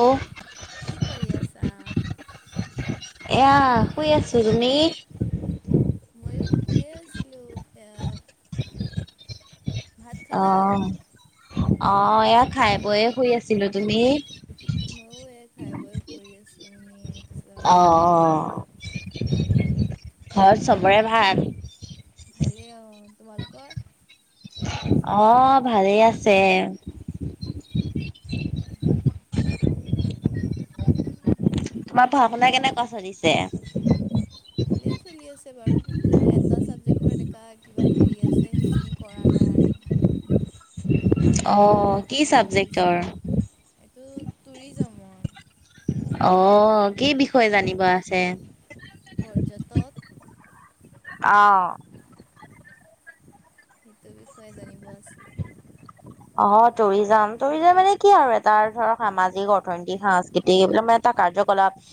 অ', কি কৰি আছা? এইয়া শুই আছো, তুমি? মইও শুইয়ে আছিলোঁ, এ- ভাত অ, খালা? অ এইয়া খাই বৈয়ে শুই আছিলো, তুমি? মইয়ো এই খাই বৈ পৰি আছোঁ এনেই। অ তাৰপিছত এনেকুৱা অ, ঘৰত চবৰে ভাল? ভালে অ, তোমালোকৰ? অ ভালেই আছে। তোমাৰ পঢ়া-শুনা কেনেকুৱা চলিছে? ভালেই চলি আছে বাৰু কিন্তু এটা চাবজেক্টৰ এনেকা কিবা হেৰি আছে সেইখিনি - কৰা নাই। অ', কি উম হোমৱৰ্ক চাবজেক্টৰ? দিছিলে, এইটো টুৰিজমৰ। অ কি বিষয়ে জানিব আছে? পৰ্যটক! অ, সেইটো বিষয়ে জানিব আছিলে। অ টুৰিজম, টুৰিজম মানে কি আৰু এটাৰ ধৰক সামাজিক, অৰ্থনৈতিক, সাংস্কৃ- স্কৃতিক এইবিলাক মানে এটা কাৰ্যকলাপ -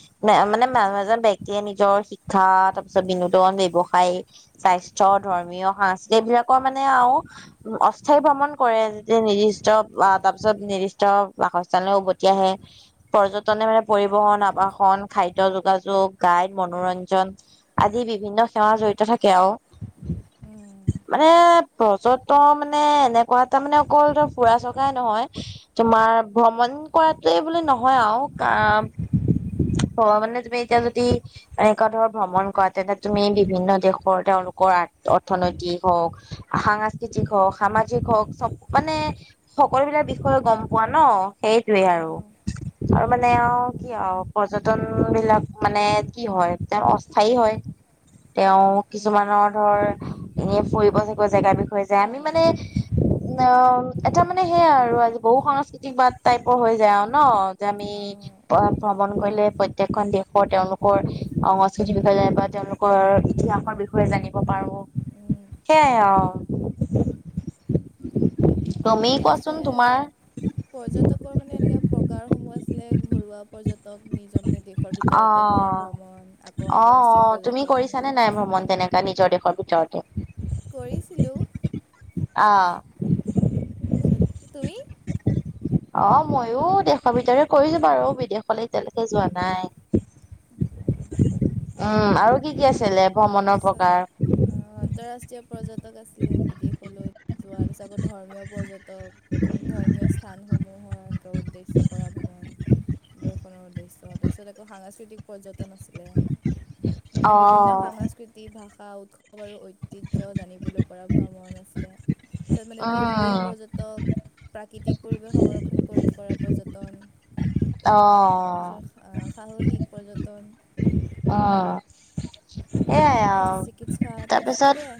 মানে মানুহ এজন ব্যক্তিয়ে নিজৰ শিক্ষা তাৰপিছত বিনোদন, বব্যৱসায়- স্বাস্থ্য, ধৰ্মীয়, সাংস্কৃতিক এই বিলাকৰ মানে আও অস্থায়ী ভ্ৰমণ কৰে। যে নিৰ্দিষ্ট তাৰ পিছত নিৰ্দিষ্ট বাসস্থানলৈ উভতি আহে। পৰ্যটনে মানে পৰিবহন, আৱাসন, খাদ্য, যোগাযোগ গাইড, মনোৰঞ্জন- আদি বিভিন্ন সেৱা জড়িত থাকে আও। উম, মানে পৰ্যটন মানে এনেকুৱা তাৰ মানে অকল ফুৰা চকাই নহয়। তোমাৰ ভ্ৰমণ কৰাটোৱে বোলে নহয় আও। ভবা মানে তুমি এতিয়া যদি- এনেকুৱা ধৰ ভ্ৰমণ কৰা তেন্তে তুমি বিভিন্ন দেশৰ তেওঁলোকৰ আৰ্ট অৰ্থনৈতিক হওক- সাংস্কৃতিক হওক, সামাজিক হওক, চব- মানে সকলো বিলাক বিষয়ে গম পোৱা ন সেইটোৱে আৰু। আৰু মানে আও কি আও পৰ্যটন বিলাক মানে কি হয় তেওঁ অস্থায়ী হয়। তেওঁ কিছুমানৰ ধৰ এনে ফুৰিব চুৰিব চাগৈ জেগাৰ বিষয়ে যায়, আমি মানে- কাৰণ এটা মানে সেইয়াই আৰু আজি বহু সাংস্কৃতিক বাদ টাইপৰ হৈ যায় আৰু ন। যে আমি [unintelligible] ভ্ৰমণ কৰিলে প্ৰত্যেকখন দেশৰ তেওঁলোকৰ সংস্কৃতিৰ বিষয়ে জানিব পাৰি, তেওঁলোকৰ ইতিহাসৰ বিষয়- জানিব পাৰো সেইয়াই আও। [unintelligible] এনেকে আছে। কোৱাচোন তোমাৰ পৰ্যটকৰ মানে এনেকা প্ৰকাৰসমূহ আছিলে ঘৰুৱা পৰ্যটক নিজৰ মানে দেশ- অ, অ আন্তঃৰাষ্ট্ৰীয় অ তুমি পৰ্যটন কৰিছানে নাই ভ্ৰমণ তেনেকে? নিজৰ দেশৰ ভিতৰত। [unintelligible] কৰিছিলো। অ, আহ তাৰ পিছত তুমি? অ মইয়ো দেশৰ ভিতৰে কৰিছো বাৰু বিদেশলে এয়ালৈকে যোৱা নাই উম আৰু কি কি আছিলে তাৰ ভ্ৰমণৰ পিছত প্ৰকাৰ অ আন্তৰাষ্ট্ৰীয় পৰ্যটক আছিলে বিদেশলৈ যোৱা আছে আকৌ ধৰ্মীয় পৰ্যটক তাৰমানে ধৰ্মীয় স্থানসমূহত উদ্দেশ্য কৰা ভ্ৰমণ দৰ্শনৰ উদ্দেশ্য তাৰপিছত আকৌ সাংস্কৃতিক পৰ্যটন আছিলে মানে অ বিভিন্ন সাংস্কৃতিক ভাষা উৎসৱ আৰু অ ঐতিহ্য জানিবলৈ কৰা ভ্ৰমণ আছিলে তাৰছত মানে পৰিৱেশ উম পৰ্যটক প্ৰাকৃতিক পৰিৱেশ সংৰক্ষণ কৰি কৰা পৰ্যটন অঁ অ তাৰপিছত ত সাহসিক পৰ্যটন অ এয়াই সেয়াই আৰু চিকিৎসা তাৰপিছত সেয়াই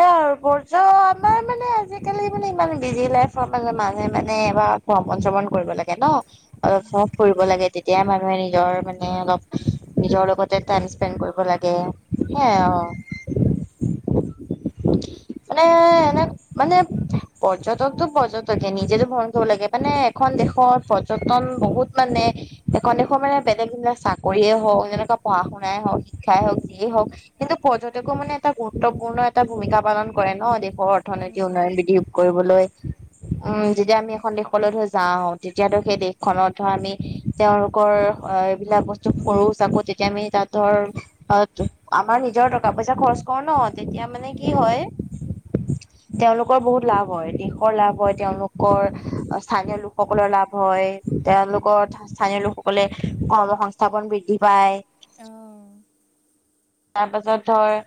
এয়া আৰু বৰ্জ আমাৰ মানে আজিকালি মানে ইমান বিজি লাইফৰ মানে মানুহে মানে এবাৰ ভ্ৰমণ চ্ৰমণ কৰিব লাগে ন [unintelligible] কৰিব লাগে তেতিয়া মানুহে নিজৰ মানে অলপ নিজৰ লগতে টাইম স্পেণ্ড কৰিব লাগে সেয়াই উম, আও [unintelligible] মানে এনে মানে পৰ্যটকতো পৰ্যটকে নিজেতো ভৰণ কৰিব লাগে মানে এখন দেশত পৰ যতন বহুত মানে [unintelligible] মানে বেলেগ বেলে চাকৰিয়ে হওক যেনেকুৱা পঢা শুনাই হওঁক শিক্ষাই হওঁক দিয়ে হওক কিন্তু পৰ্যটকও মানে এটা গুৰুত্বপূৰ্ণ এটা ভূমিকা পালন কৰে ন দেশৰ অৰ্থনৈতি সি উম, উন্নয় [unintelligible] কৰিবলৈ উম যেতিয়া আমি এখন দেশলৈ ধ যাওঁ তেতিয়াতো সেই দেশখনত ধৰ আমি তেওঁলোকৰ এইবিলাক বস্তু সৰু চাকো তেতিয়া আমি তাত ধৰ অ আমাৰ নিজৰ টকা পইচা খৰচ কৰো ন তেতিয়া মানে কি উম, হয় তেওঁলোকৰ বহুত লাভ হয় দেশৰ লাভ হয় তেওঁলোকৰ উম, স্থানীয় লোকসকলৰ লাভ হয় উম, তেওঁলোকৰ স্থানীয় লোকসকলে কৰ্মসস্থাপন বৃদ্ধি পায় অঁ, তাৰ পাছত ধৰ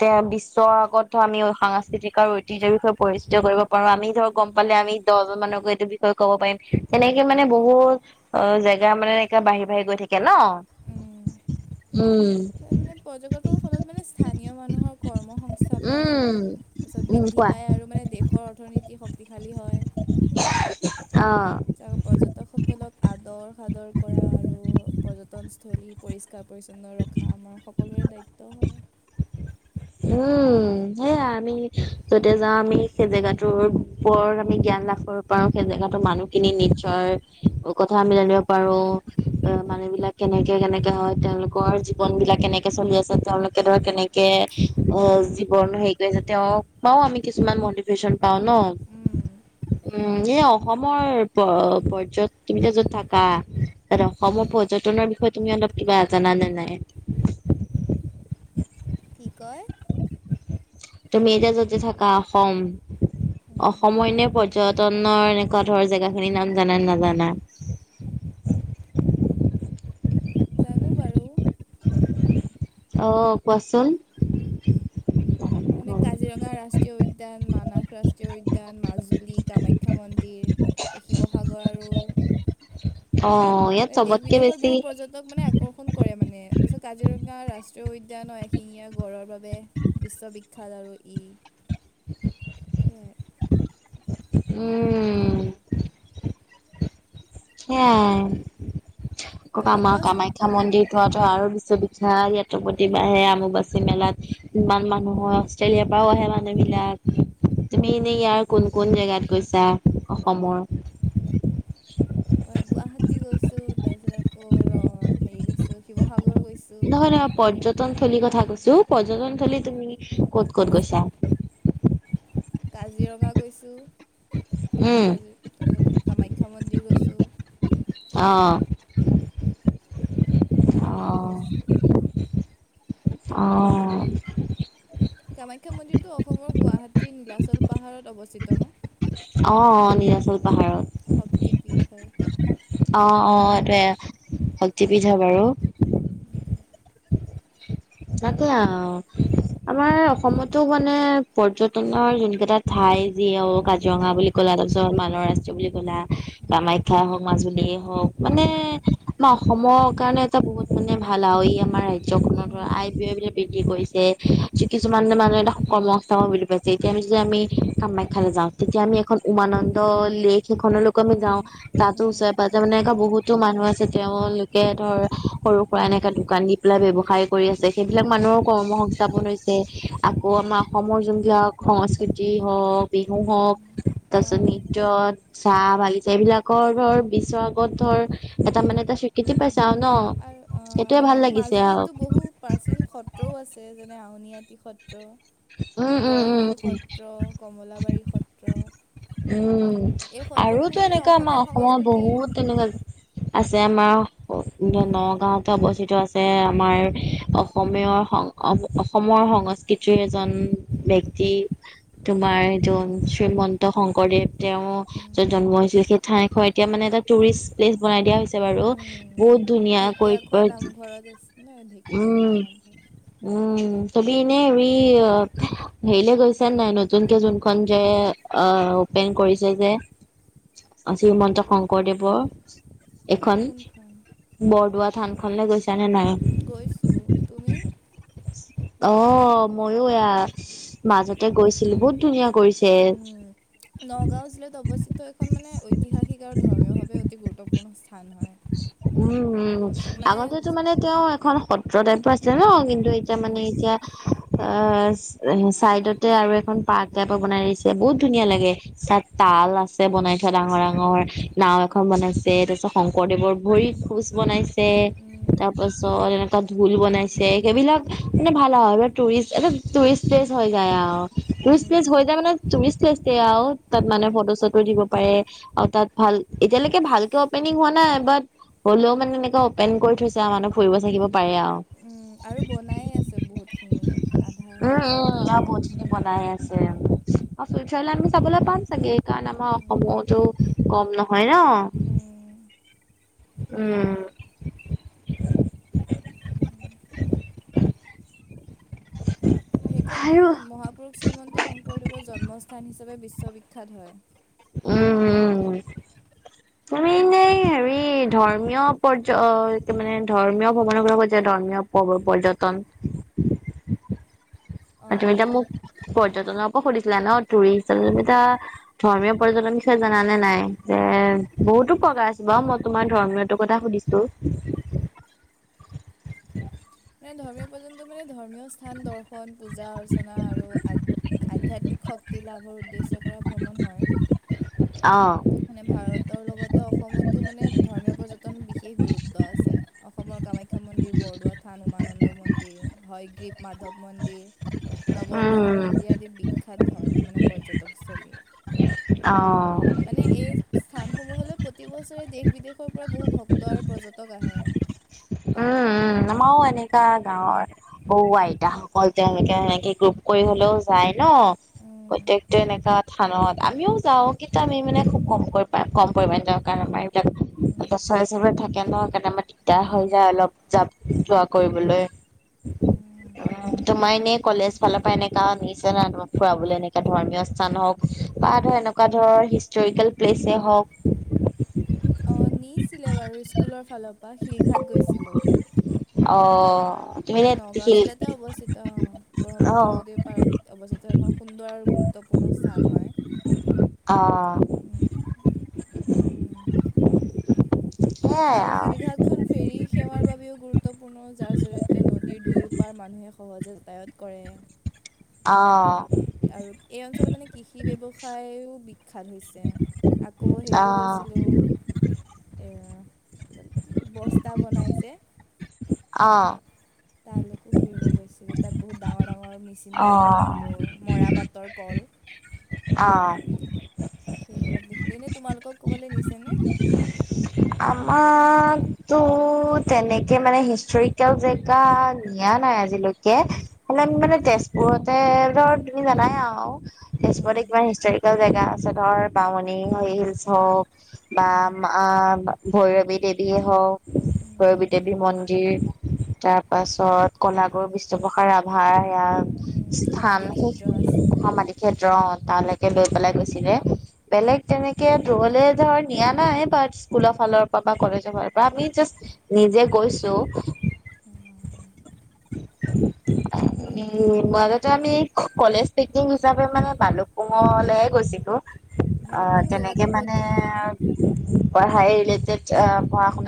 তে বিশ্বৰ আগত আমি সাংস্কৃতিক আৰু ঐতিহ্যৰ বিষয়ে পৰিচিত কৰিব পাৰ আমি ধৰক গম উম, পালে আমি দহজন মানকো এইটো বিষয়ে ক'ব পাৰিম তেনেকে মানে বহুত অ জেগা মানে এনেকা বাঢ়ি বাঢ়ি গৈ থাকে উম। ন উম তাৰ মানে প্ৰজগতৰ ফলত মানে স্থানীয় মানুহৰ কৰ্ম সংংস্থাপন উম তাৰপিছত উম বৃদ্ধি কোৱা পায় আৰু মানে দেশৰ অৰ্থনীতি শক্তিশালী হয় অ ত পৰ্যটকসকলক আদৰ সাদৰ কৰা আৰু পৰ্যটনস্থলী পৰিষ্কাৰ পৰিচ্ছন্ন ৰ খা আমাৰ সকলোৰে দায়িত্ব হয় উম হেয়া আমি যতে যাওঁ আমি সেই জেগাটোৰ ওপৰত আমি জ্ঞান লাভৰ পাৰো সেই জেগাতো মানুহখিনি নিজৰ কথা আমি জানিব পাৰো মানুহ বিলাক কেনেকে কেনেকে হয় তেওঁলোকৰ বন বিলাক কেনেকে চলি আছে তেওঁলোকে ধৰ কেনেকে অ জীৱন হেৰি কৰিছে তেওঁ পাওঁ আমি কিছুমান মটিভেশ্যন পাওঁ ন উম এই অসমৰ প পৰ্যট [unintelligible] যত থকা ত অসমৰ পৰ্যটনৰ বিষয়ে তুমি অলপ কিবা জান নে নাই কি কয় তুমি এতিয়া যতে থাকা অসম অসম হয় নে পৰ্যটনৰ এনেকুৱা ধৰনৰ জেগা খিনি নাম জানা নে নাজানা জানো বাৰু অ কোৱাচোন মানে কাজিৰঙা ৰাষ্ট্ৰীয় উদ্যান মানাস ৰাষ্ট্ৰীয় উদ্যান মাজুলী কামাখ্যা মন্দিৰ ত শিৱসাগৰ আৰু অ ইয়াত দেশ চবতকে বিদেশৰ বেছি বহু পৰ্য সহঁতক মানে আকৰ্ষণ কৰে মানে তাৰপিছত কাজিৰঙা ৰাষ্ট্ৰীয় উদ্যান হয় শিঙীয়াৰ গড়ৰ বাবে বিশ্ববিখ্যাত আৰু ই সেয়াই উম সেইয়াই কবা তুমি মা কোৱাচোন কামাখ্যা মন্দিৰ তোমাৰ এইয়াত টো আৰু বিশ্ববিখ্যাত এইয়াত প্ৰতি মাহে আম্বুবাচী মেলাত ইমান মানুহ হৈ আছে অষ্ট্ৰেলিয়া পৰাও আহে মানুহবিলাক তুমি এনেই ইয়াৰ কোন কোন জেগাত গৈছা অসমৰ মই গুৱাহাটী গৈছোঁ তাৰপিছত আকৌ ৰ হেৰি গৈছোঁ শিৱসাগৰ গৈছোঁ নহয় নহয় পৰ্যটন থলীৰ কথা কৈছো পৰ্যটন থলী তুমি ক'ত ক'ত গৈছা কাজিৰঙা গৈছোঁ তাৰপিছত উম কাজ তাৰপিছত কামাখ্যা মন্দিৰ গৈছোঁ অ তালে গৈছো অ কামাখ্যা মন্দিৰটো অসমৰ গুৱাহাটীৰ নীলাচল পাহাৰত অৱস্থিত ন অ অ নিলাচল পাহাৰত শক্তিপীঠ হয় অ অ এইটোৱে শক্তি পীঠ হয় বাৰু উম তাকে আও আমাৰ অসমতো মানে পৰ্যটনৰ যোন কেইটাত ঠাই যি অ কাজিৰঙা বুলি কলা তাৰপিছত মানৰ ৰাষ্ট্ৰ বুলি কলা উম কামাখ্যা ঠাই হওক মাজুলিয় হওক মানে আমাৰ অসমৰ কাৰণে এটা বহুত মানে ভাল আৰু ই আমাৰ ৰাজ্য আই ব্যয় বিলাক বৃদ্ধি কৰিছে [unintelligible] কিছুমান মানুহ এটা কৰ্মস্থাপন বুলি পাইছে এতিয়া আমি যদি আমি কামাখ্যালে যাওঁ তেতিয়া আমি এখন উমানন্দ লেক এখন লৈকো আমি যাওঁ উম তাতো উম ওচৰে পাজৰে মানে এনেকোৱা বহুতো মানুহ আছে তেওঁলোকে ধৰ সৰু এনেকা দোকান দি পেলাই ব্যৱসায় কৰি আছে সেইবিলাক মানুহৰ কৰ্ম সংস্থাপন হৈছে আকৌ আমাৰ অসমৰ যোন বিলাক সংস্কৃতিয়ে হওক বিহু হওক উম তাৰ পাছত পিছত অঁ নিত্ৰ চাহ বাগিচা এইবিলাকৰ ধৰ বিশ্বৰ আগত ধৰ এটা মানে এটা স্বীকৃতি পাইছা উম। আও ন আৰু অঁ সেইটোয়ে আৰু ভাল লাগিছে আও মাজুলীতো বহু প্ৰাচীন সত্ৰও আছে যেনে আউনীআটি সত্ৰ উম উম গড়মূৰ উম সত্ৰ কমলাবাৰী সত্ৰ উম এই সত্ৰসমূহে আৰুতো মানে এনেকুৱা আমাৰ অসমীয়া অসমত সংস্কৃতি বহুত তেনেকোৱা আছে আমাৰ নগাঁওতে অৱস্থিত আছে আমাৰ অসমীয় অসমৰ সংস্কৃতি এজন ব্যক্তি তোমাৰ এজন শ্ৰীমন্ত শংকৰদেৱ তেওঁ যত জন্ম হৈছিল সেই ঠাই এখন এতিয়া মানে এটা টুৰিষ্ট প্লেচ বনাই দিয়া হৈছিল বাৰু বহুত ধুনীয়া কৈ ঢেকীয়াখোৱা নামঘৰত আছে ন কৈ উম ঢেকীয়াখোৱা নামঘৰত উম তবি নে উই হেৰিলে গৈছে নে নাই নতুনকে যোনখন যে অ পেন কৰিছে যে শ্ৰীমন্ত শংকৰদেৱৰ এখন কোনখন বৰদোৱা থানখনলে গৈছা নে নাই গৈছোঁ তুমি অহ মইয়ো এয়া মাজতে গৈছিলো বহুত ধুনীয়া কৰিছে নগাঁও জিলাত অৱস্থিত এখন মানে ঐতিহাসিক আৰু ধৰ্মীয়ভাৱে অতি গুৰুত্বপূৰ্ণ স্থান হয় উম উম মানে আগতেতো মানে তেওঁ এখন সত্ৰ টাইপৰ আছিলে ন কিন্তু এতিয়া মানে এতিয়া আ চাইডতে আৰু এখন পাৰ্ক টাইপৰ বনাই দিছে বহুত ধুনীয়া লাগে চাত তাল আছে বনাই থোৱা ডাঙৰ ডাঙৰ, নাও এখন বনাইছে তাৰ পাছত শংকৰদেৱৰ ভৰিত খোজ বনাইছে তাৰপাছ পাছত এনেকুৱা ঢোল বনাইছে সেইবিলাক মানে ভাল আও এইবিলাক টুৰিষ্ট এইটো টুৰিষ্ট প্লেচ হৈ যায় আও টুৰিষ্ট প্লেজ হৈ যায় মানে টুৰিষ্ট প্লেজজে আও তাত মানে ফটো চটো দিব পাৰে অ তাত ভাল এতিয়ালৈকে ভালকে অপেনিং হোৱা নাই বাট হ'লেও মানে এনেকে অপেন কৰি থৈছে আও মানুহ ফুৰিব চাকিব পাৰে আও উম ঋ আৰু বনায়ে আছে বহুতখিনি আধা হৈ আছে এতিয়া এ বনাইয়েই আছে অ চোজাৰলেণ্ড আমি চাবলৈ পাম চাগে এই কাৰণ আমাৰ অসমতো কম নহয় ন উম উম হু সেইখনতো আৰু মহাপুৰুষ শ্ৰীমন্ত শংকৰদেৱৰ জন্মস্থান হিচাপে বিশ্ববিখ্যাত হয় উম উম [inaudible] তুমি মানে হেৰি ধৰ্মীয় পৰ্য মানে ধৰ্মীয় ভ্ৰৱনৰ গৰ [unintelligible] কয় যে ধৰ্মীয় প পৰ্যটন তুমি এতিয়া অঁ মোক পৰ্যটনৰ পৰা সুধিছিলা ন টুৰিষ্টু উম। এলবিতা ধৰ্মীয় পৰ্যটনৰ বিষয়ে জানা নে নাই যে বহুতো প্ৰকাৰ আছে বাওঁ মই তোমাৰ ধৰ্মীয়টো কথা সুধিছ ছো মানে ধৰ্মীয় পৰ্যন্ত মানে ধৰ্মীয় স্থান দৰ্শন পূজা অৰ্চনা আৰু আ উম আধ্যাত্মিক শক্তি লাভৰ উদ্দেশ্য কৰা ভ্ৰমণ হয় অ খনে ভাৰতৰ লগতে অসমতো মানে ধৰ্মীয় পৰ্যটনৰ বিশেষ গুৰুত্ব আছে অসমৰ কামাখ্যা মন্দিৰ বৰদোৱাত থান উমানন্দ মন্দিৰ হয়, গ্ৰীপ মাধৱ মন্দিৰ নৱগ্ৰহ উম, মন্দিৰ আদি বিখ্যাত ধৰ্মীয় মানে পৰ্যটকস্থলী অ', উম, মানে এই স্থানসমূহলৈ প্ৰতিবছৰে দেশ বিদেশৰ পৰা বহু ভক্ত আৰু পৰ্যটক আহে উম উম আমাৰো এনেকা গাঁৱৰ সৌ আইতাসকল তেওঁলোকে এনেকে গ্ৰোপ কৰি হলেও যায় ন উম। প্ৰত্যকটোৱা এনেকা থানত আমিও যাওঁ কিন্তু আমি মানে খুব কমকৈ পাওঁ কম পৰিমানে যাওঁ কাৰণ আমাৰ উম চৰে চবৰে থাকে ন সেইকানে দিগদাৰ হয় অলপ জাপ যোৱা কৰিবলৈ উম উম তোমাৰ এনেই কলেজ ফালৰ পৰা এনেকা নিছে নাই তোমাক ফুৰাবলে এনেকা ধৰ্মীয় স্থান হওক বা ধৰ এনেকুৱা ধৰ হিষ্টৰিকেল প্লেছে হওক অঁ নিছিলে বাৰু স্কুলৰ ফালৰ পৰা শিলঘাট গৈছিলোঁ। অঁ। মানে নগাঁও জিলাতে অৱস্থিত অঁ ব্ৰহ্মপুত্ৰ অ', নদীৰ পাৰত অৱস্থিত এখন সুন্দৰ গুৰু ত্বপূৰ্ণ স্থান হয়। অ'। উম উমম সেইয়াই শিলঘাটখন ফেৰী সেৱাৰ বাবেও গুৰুত্বপূৰ্ণ যাৰ জৰিয় তে নদীৰ দুয়ো পাৰ মানুহে সহজে যাতায়াত কৰে। আঁহ। আৰু এই অঞ্চলত মানে কৃষি ব্যৱসায়ো বিখ্যাত হৈছে আকৌ হেৰিও অ', গৈছিলোঁ এ কি বস্তা বনাই যে আঁহ তালৈকো ফুৰিব গৈছিলো তাত বহুত ডাঙৰ ডাঙৰ মেচিন বিলাক দেখিলো মৰা পা তৰ কল আও সেইবিলাক দেখিলো। এনে তোমালোকক ক'বলৈ নিছে নে? আমাক তো তেনেকে মানে হিষ্টৰিকেল জেগা নিয়া নাই আজিলৈকে। উম, মানে তেজপুৰতে ধৰ তুমি জানাই আৰু উম, তেজপুৰতে কিমান হিষ্টৰিকেল জেগা আছে, ধৰ বামনি হিলচ হওক বা উম, মা ভৈৰৱী দেৱীয়ে হওক। উম, ভৈৰৱী দেৱী মন্দিৰ, তাৰ পাছত কলাগুৰু বিষ্ণুপ্ৰসাদ ৰাভাৰ সেয়া উম, স্থান সমাধি ক্ষেত্ৰ আছে সমাধি ক্ষেত্ৰ তালৈকে লৈ পেলাই গৈছিলে। বেলেগ তেনেকে দূৰলে ধৰ নিয়া নাই। বাট স্কুলৰ ফালৰ পৰা বা কলেজৰ ফালৰ পৰা আমি জাষ্ট নিজে গৈছো। অঁ অঁ। উম, মাজতে আমি কলেজ পিকনিক হিচাপে মানে পালোঁ ঙলে গৈছিলো। আহ', ভালুকপুং তেনেকে জেগাটো বহুত মানে ধুনীয়া ন পঢ়াই ৰিলেটেড। আহ', পঢ়া শুনা